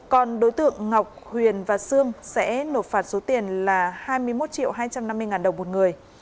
còn đối tượng ngọc huyền và sương sẽ nộp phạt số tiền là hai mươi một hai trăm năm mươi đồng một người